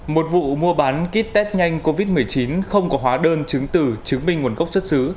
một vụ mua bán kit test nhanh covid một mươi chín không có hóa đơn chứng từ chứng minh nguồn gốc xuất xứ